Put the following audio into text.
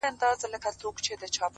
ستا جدايۍ ته به شعرونه ليکم;